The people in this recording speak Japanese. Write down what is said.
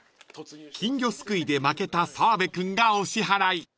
［金魚すくいで負けた澤部君がお支払い］